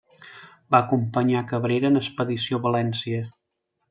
Va acompanyar a Cabrera en expedició a València.